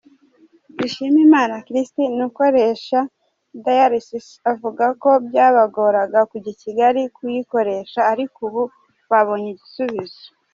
Dushimiyimana Christine ukorerwa dialysis avuga ko byabagoraga kujya Kigali kuyikoresha, ariko ubu babonye igisubizo.